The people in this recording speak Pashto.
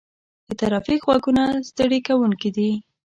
د ترافیک غږونه ستړي کوونکي دي.